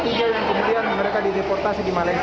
tiga yang kemudian mereka dideportasi di malaysia